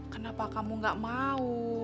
kenapa kamu gak mau